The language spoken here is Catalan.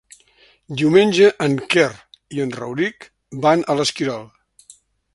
Diumenge en Quer i en Rauric van a l'Esquirol.